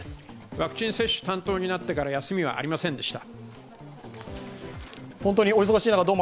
ワクチン接種担当になってから休みはありませんでした。